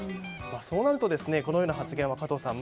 そうなると、このような発言は加藤さん